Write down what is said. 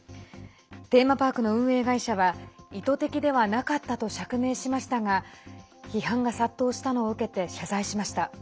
テーマパークの運営会社は意図的ではなかったと釈明しましたが批判が殺到したのを受けて謝罪しました。